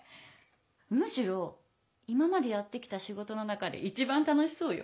むしろ今までやってきた仕事の中で一番楽しそうよ。